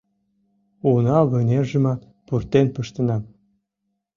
Уна вынержымат пуртен пыштенам.